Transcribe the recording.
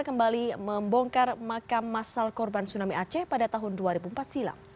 kembali membongkar makam masal korban tsunami aceh pada tahun dua ribu empat silam